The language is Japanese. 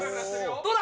どうだ？